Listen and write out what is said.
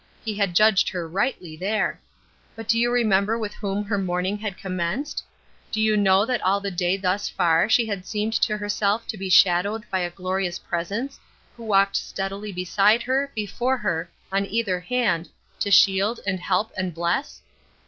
He had judged her rightly there. But do you remember with whom her morning had commenced? Do you know that all the day thus far she had seemed to herself to be shadowed by a glorious presence, who walked steadily beside her, before her, on either hand, to shield, and help and bless?